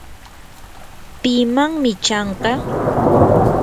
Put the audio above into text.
¿pimanmi chanqa?